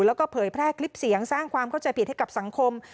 แล้วก็เผยแพร่คลิปเสียงสร้างความเข้าใจผิดให้กับสังคม